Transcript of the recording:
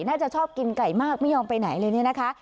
น่าจะชอบกินไก่มากไม่ยอมไปไหนเลยเนี่ยนะคะ